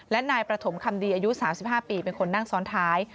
และนายประถมคำดีอายุ๓๕ปีเป็นคนนั่งซ้อนท้าย